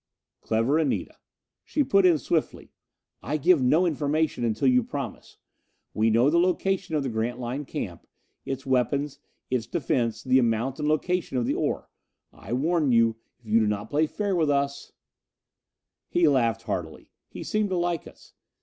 Clever Anita! She put in swiftly, "I give no information until you promise! We know the location of the Grantline camp, its weapons, its defense, the amount and location of the ore. I warn you, if you do not play us fair...." He laughed heartily. He seemed to like us.